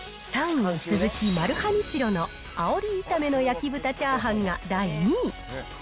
３位に続き、マルハニチロのあおり炒めの焼豚炒飯が第２位。